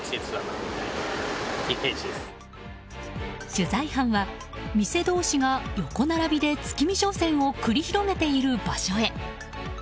取材班は店同士が横並びで月見商戦を繰り広げている場所へ。